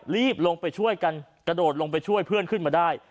รีบลงไปช่วยกันกระโดดลงไปช่วยเพื่อนขึ้นมาได้